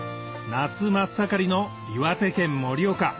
夏真っ盛りの岩手県盛岡